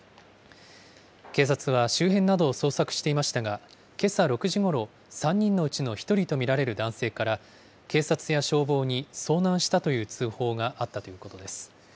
警察は周辺などを捜索していましたが、けさ６時ごろ、３人のうちの１人と見られる男性から、警察や消防に遭難したという通報があったということです。